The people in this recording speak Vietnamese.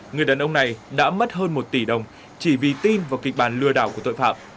người đàn ông này đã mất hơn một tỷ đồng chỉ vì tin vào kịch bản lừa đảo của tội phạm